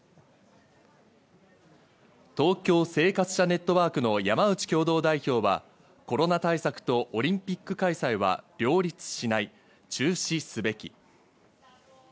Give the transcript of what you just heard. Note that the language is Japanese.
東京・生活者ネットワークの山内共同代表はコロナ対策とオリンピック開催は両立しない、中止すべき。